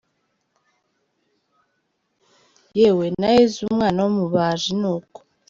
Yewe na Yezu umwana w’umubaji ni uko.